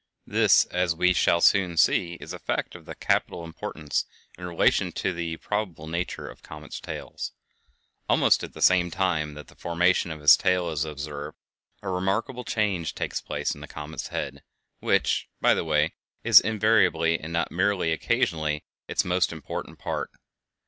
This, as we shall soon see, is a fact of capital importance in relation to the probable nature of comets' tails. Almost at the same time that the formation of the tail is observed a remarkable change takes place in the comet's head, which, by the way, is invariably and not merely occasionally its most important part.